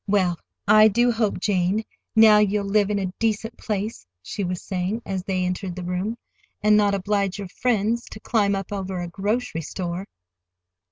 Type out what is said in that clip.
"Well, I do hope, Jane, now you'll live in a decent place," she was saying, as they entered the room, "and not oblige your friends to climb up over a grocery store."